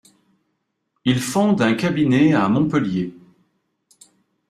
Ils fondent un cabinet à Montpellier.